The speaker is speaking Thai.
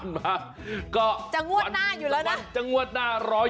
ก็ไม่เป็นปลอดภัยจะงวดหน้ารออยู่กันต่อจะงวดหน้าอยู่แล้วนะ